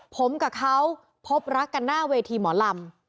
ผมกับเขาพบรักกันหน้าเวทีหมอลำ